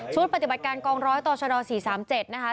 ชุดปฏิบัติการกองร้อยตช๔๓๗นะคะ